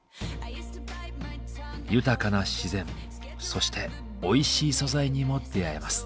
豊かな自然そしておいしい素材にも出会えます。